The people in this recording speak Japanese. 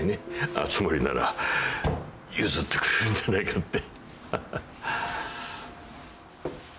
熱護なら譲ってくれるんじゃないかって。